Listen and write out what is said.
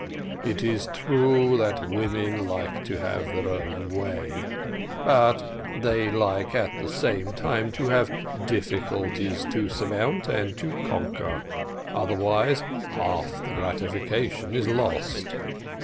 "It is true that women like to have their own way; but they like, at the same time, to have difficulties to surmount and to conquer; otherwise, half the gratification is lost.